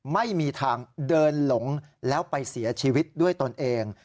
ไม่มีทางเดินหลงแล้วไปเสียชีวิตด้วยตนเอง